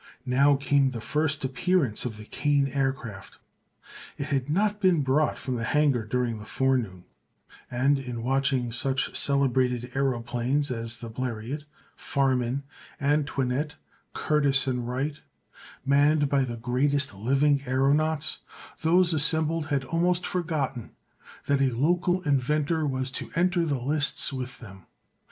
Now came the first appearance of the Kane Aircraft. It had not been brought from the hangar during the forenoon and, in watching such celebrated aëroplanes as the Bleriot, Farman, Antoinette, Curtiss and Wright, manned by the greatest living aëronauts, those assembled had almost forgotten that a local inventor was to enter the lists with them.